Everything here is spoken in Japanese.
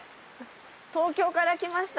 東京から来ました